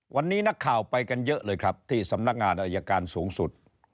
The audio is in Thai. วันนี้นักข่าวไปกันเยอะเลยครับที่สำนักงานอายการสูงสุด